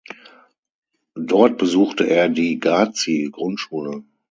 Dort besuchte er die "Gazi"-Grundschule.